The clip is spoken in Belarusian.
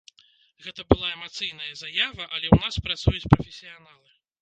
Гэта была эмацыйная заява, але ў нас працуюць прафесіяналы.